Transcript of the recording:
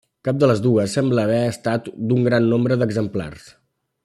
Cap de les dues sembla haver estat d'un gran nombre d'exemplars.